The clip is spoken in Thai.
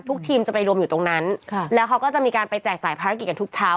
ทีมจะไปรวมอยู่ตรงนั้นแล้วเขาก็จะมีการไปแจกจ่ายภารกิจกันทุกเช้า